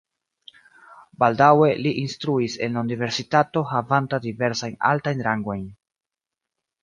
Baldaŭe li instruis en la universitato havanta diversajn altajn rangojn.